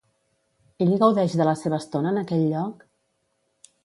Ell gaudeix de la seva estona en aquell lloc?